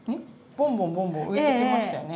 ボンボンボンボン浮いてきましたよね。